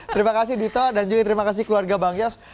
terima kasih dito dan juga terima kasih keluarga bang yos